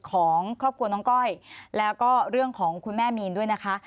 ของครอบครัวน้องก้อยแล้วก็เรื่องของคุณแม่มีนด้วยนะคะ